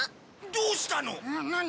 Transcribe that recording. どうしたの？